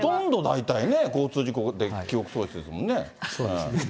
ほとんど大体ね、交通事故で記憶喪失ですもんね。